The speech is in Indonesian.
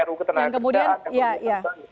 ruu ketenagakan kedahatan dan kementerian kepala